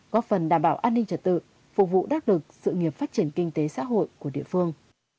góp phần đảm bảo an ninh trật tự phục vụ đắc lực sự nghiệp phát triển kinh tế xã hội của địa phương